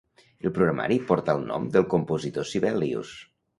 El programari porta el nom del compositor Sibelius.